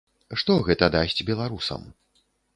Што гэта дасць беларусам?